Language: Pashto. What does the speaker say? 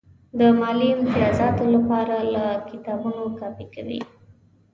د مالي امتیازاتو لپاره له کتابونو کاپي کوي.